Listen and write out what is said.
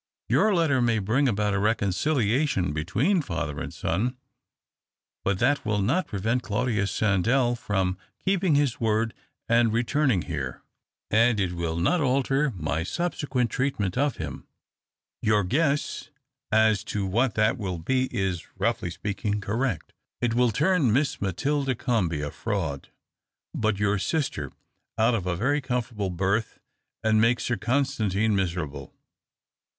Your letter may bring about a reconciliation between father and son, but that will not prevent Claudius Sandell from keeping his word and returning here ; and it will not alter my THE OCTAVE OF CLAUDIUS. 249 sul)sequent treatment of liim — your guess as to what that will be is, roughly speaking, correct. It will turn Miss Matilda Comby — a fraud, but your sister — out of a very com fortable berth, and make Sir Constantino miserable.